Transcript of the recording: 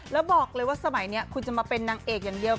แล้วบอกเลยว่าสมัยนี้คุณจะมาเป็นนางเอกอย่างเดียว